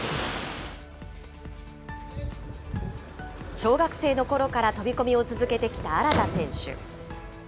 小学生のころから飛び込みを続けてきた荒田選手。